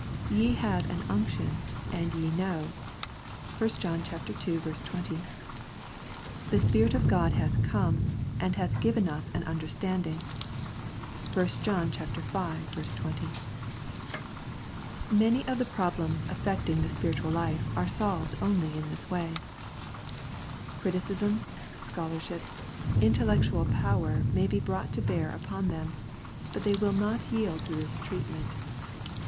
" Ye have an unction ... and ye know " (i John ii. 20). "The Son of God hath come, and hath given us an understanding " (i John V. 20). Many of the problems affecting the spiritual life are solved only in this way. Criticism, scholarship, intellectual power may be brought to bear upon them, but they will not yield to this treatment.